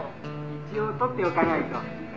「一応撮っておかないと」